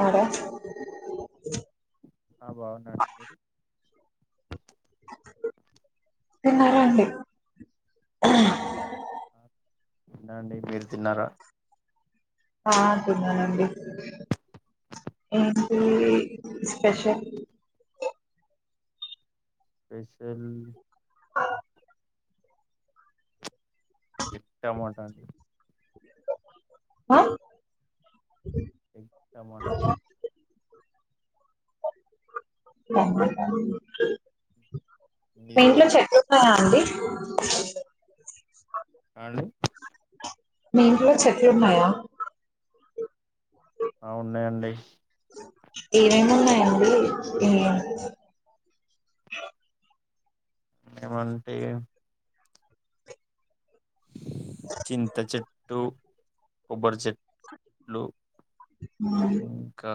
అడే ఆ బాగున్నాండి మీరు తిన్నారా అండి హ్హ్ తిన్నా అండీ మీరు తిన్నారా ఆ తిన్నానండి ఏంటి స్పెషల్ పెషల్ వాటాకి ఆ ఎగ్ టమాటా అ మీది మీ ఇంట్లో అండి చెట్లు ఉన్నాయా అండి ఆ అండి మీ ఇంట్లో చెట్లు ఉన్నాయా ఆ ఉన్నాయండి ఏమేం ఉన్నాయండి ఈ ఏమంటే చింత చెట్టు కొబ్బరి చెట్లు ఉమ్ ఇంకా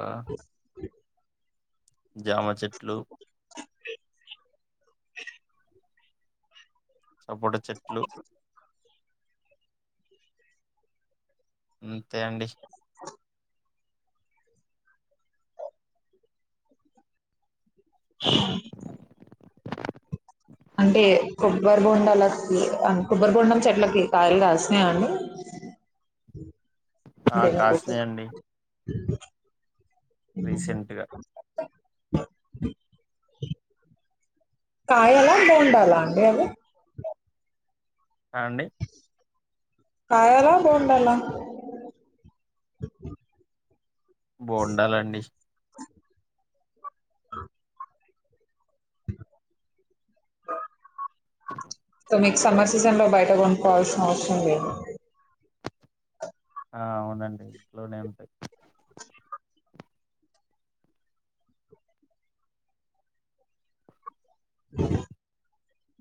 జామ చెట్లు సపోట చెట్లు అంతే అండి ఆ అంటే కొబ్బరి బొండాలకి అన్ కొబ్బరి బొండం చెట్లకి కాయలు కాసినాయ అండి బ ఆ కాసినాయండి రీసెంట్గా కాయలా బోండాలా అండి అవి అ అండి కాయలా బోండాలా బొండాలండి అ సో మీకు సమ్మర్ సీజన్ లో బయట కొనువాల్సిన అవసరం లేదు ఆ అవునండి ఇంట్లోనే ఉంటాయ్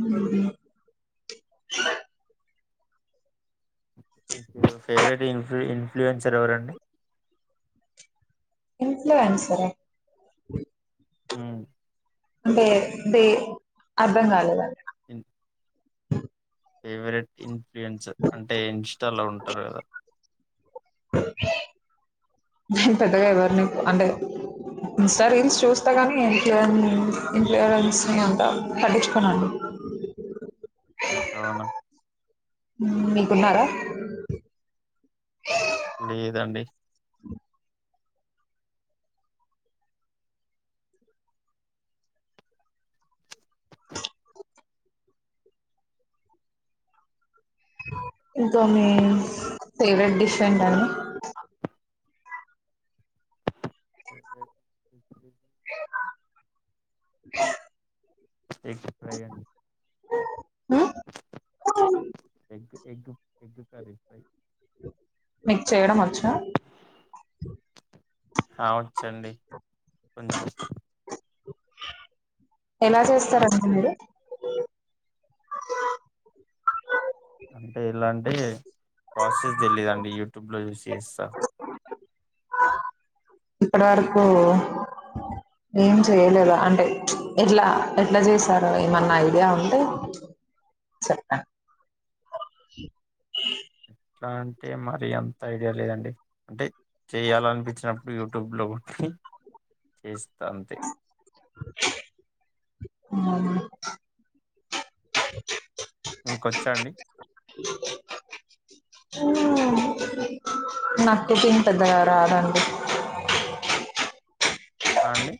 ఉమ్ హు మీ ఫేవ్ ఫేవరెట్ ఇన్ఫ్లు ఇన్ఫ్లుఎన్సర్ ఎవరండి ఇన్ఫ్లుయెన్సరా మ్ అంటే బే అర్ధం కాలేదం ఇం ఫేవరెట్ ఇన్ఫ్లుయెన్సర్ అంటే ఇన్స్టాలో ఉంటారు కదా నేను పెద్దగా ఎవరి నీ అంటే ఇన్స్టా రీల్స్ చూస్తా కానీ ఇంప్రెన్స్ ని అంతా పట్టించుకోనండి అవును మీకున్నారా లేదండి ఇంకా మీ ఫేవరెట్ డిష్ ఏంటండి ఫేవరెట్ ఇన్ఫ్లుయెన్సర్ ఎస్ ప్రెసెంట్ ఓ egg egg egg curry fry మీక్ చేయడం వచ్చా కావచండి కొంచం ఎలా చేస్తారండి మీరు అంటే ఎలాంటే ప్రాసెస్ తెలీదండి యూట్యూబ్ లో చూసి చేస్తా. ఇప్పటి వరకు ఏం చేయలేద అంటే ఎట్లా ఎట్లా చేసారో ఏమన్నా ఐడియా ఉంటే చెప్ప ఇ ఎట్లా అంటే మరి ఎంత ఐడియా లేదండి అంటే చేయాలనిపించినప్పుడు యూట్యూబ్లో కొట్టి చేస్తంది అవునా హ్మ్. మీకొచ్చాండి ఉ నాకు తెలిసి పెద్దగా రాదండి. అండి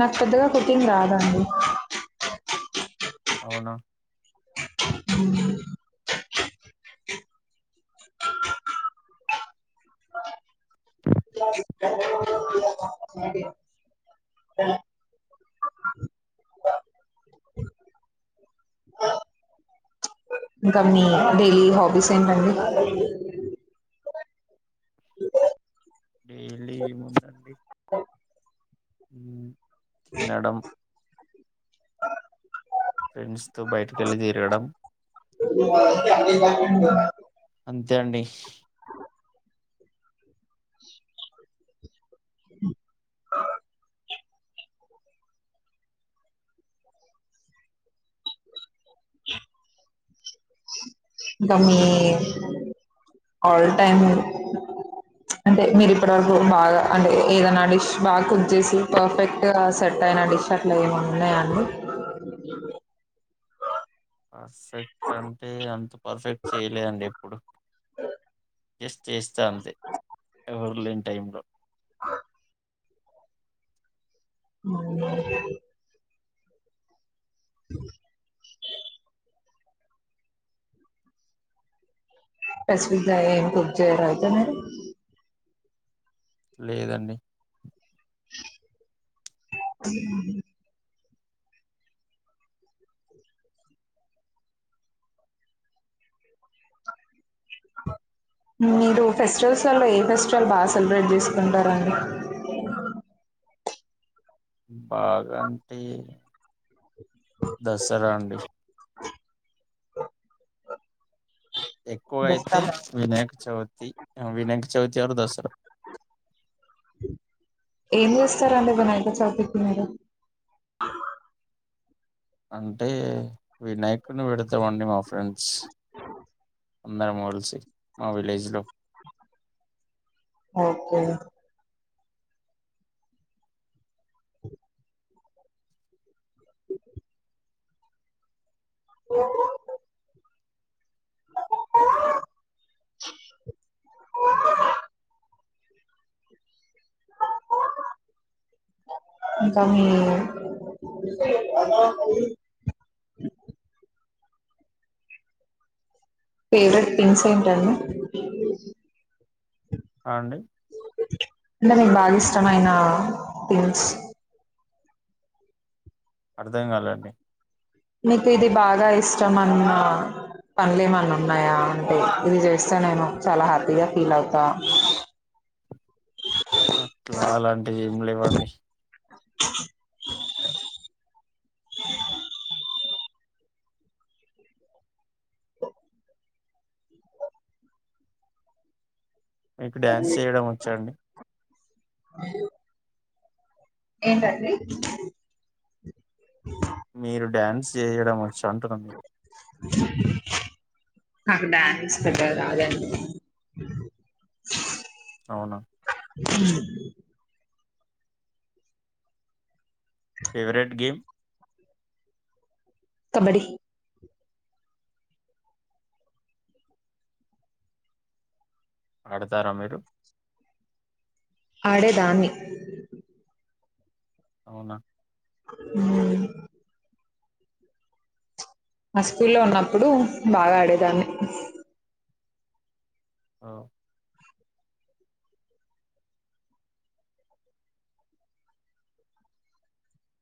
నాకు పెద్దగా కుటింగ్ రాదండి. అవునా [unintelligible] అ బ ఇంకా మీ డైలీ హాబీస్ ఏంటండి? డైలీ ఏముందండి న్నడం ఫ్రెండ్స్ తో బయటి కేళ్ళి తిరగడం [unintelligible] అంతే అండి ఇంకా మీ ఆల్ టైమ్ అంటే మీరు ఇప్పటి వరకు బాగా అంటే ఏదనా డిష్ బాగా కుక్ చేసి పర్ఫెక్ట్ గా సెట్ అయిన డిష్ అట్లా ఏమన్నా ఉన్నాయాఅండి పర్ఫెక్ట్ అంటే అంత పర్ఫెక్ట్ చేయలే అండి ఎప్పుడు జస్ట్ చేస్తా అంతే ఎవరు లేని టైంలో అవ పేసిపిక్ గా ఏం కుక్ చేయరా అయితే మీరు? లేదండి మీరు ఫెస్టివల్స్ ల్లో ఏ ఫెస్టివల్ బాగా సెలబ్రేట్ చేసుకుంటారండి. అ బాగంటి దసరా అండి [inaudible] ఎక్కువ అయితే చెప్తాను వినాయక చవితి వినాయక చవితి ఆర్ దసరా ఏమి చేస్తారండి వినాయక చవితి కి మీరు అంటే వినాయకుడిని పెడతామండి మా ఫ్రెండ్స్ అందరూ మోడల్సే మా విలేజ్ లో ఓకే ఇంకా మీ ఫేవరెట్ పిస్ ఏంటండి? ఆండీ అంటే మీకు బాగా ఇష్టమైన థిమ్స్ అర్థం కాలండి మీకు ఇది బాగా ఇష్టం అన్న పనులు ఏమన్నా ఉన్నాయా అంటే ఇది చేస్తే నేమో చాలా హ్యాపీగా ఫీల్ అవుతా [inaudible] అట్లా అలాంటి ఏమి లేవండి [inaudible] మీకు డ్యాన్స్ చేయడం వచ్చాఅండి [unintelligible] ఏంటండి మీరు డ్యాన్స్ చేయడం వచ్చా అంటున్నా మీ నాకు డ్యాన్స్ పెద్ధగా రాదండి అవునా [inaudible] ఫేవరెట్ గేమ్ కబడ్డి ఆడతారా మీరు ఆడేదాన్ని అవునా మ్మ్ మా స్కూల్ లో ఉన్నప్పుడు బాగా ఆడేదాన్ని ఆ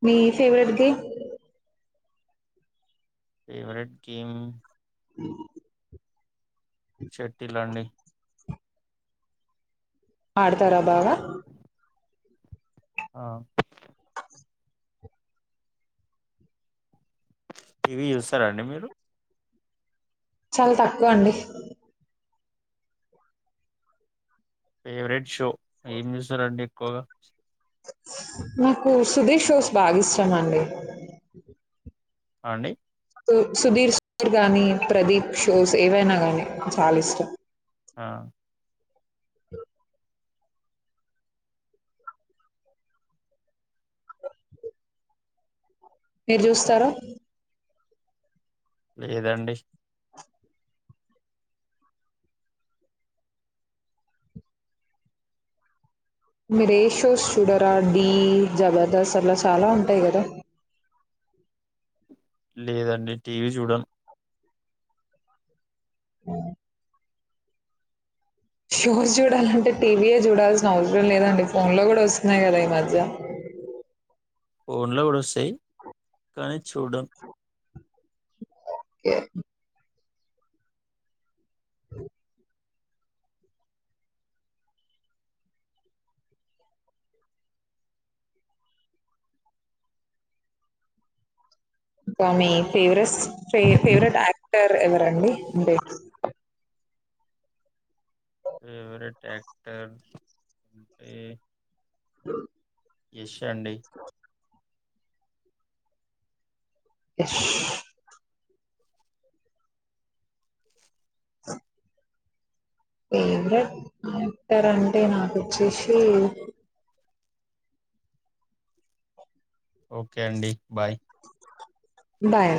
మీ ఫెవరెట్ గేమ్ ఫేవరెట్ గేమ్ [inaudible] శేట్టిల్ అండి ఆడతారా బాగా ఆ టీవీ చూస్తారాండి మీరు చాలా తక్కువ అండి ఫేవరెట్ షో ఏం చూస్తారండి ఎక్కువగా మీకు సుధీర్ షోస్ బాగా ఇష్టామండి ఆ అండి సుధీర్ సార్ గానీ ప్రదీప్ షోస్ ఏవైనా గానీ చాలా ఇష్టం ఆ [inaudible] మీరు చూస్తార లేదండి మీరు ఏషోస్ చూడరా డీ జబర్దస్త్ అలా చాలా ఉంటాయి గదా లేదండి టీవీ చూడను ఉ షోస్ చూడాలంటే టీవీయే చూడాల్సిన అవసరం లేదండి ఫోన్ లో గూడా వస్తున్నాయి కదా ఈ మధ్య [inaudible] ఫోన్లో గూడా వస్తాయ్ కాని చూడను ఓకే [inaudible] ఇంకా మీ ఫేవరెట్ ఫేవరెట్ యాక్టర్ ఎవరండి అంటే ఫేవరెట్ యాక్టర్ అంటే [inaudible] ఎస్ అండి ఇష్ మీకు [inaudible] ఫేవరెట్ యాక్టర్ అంటే నాకువోచ్చేసి ఓకే అండి బాయ్ బాయ్